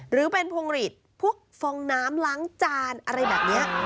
หรือเป็นพวงหลีดพวกฟองน้ำล้างจานอะไรแบบนี้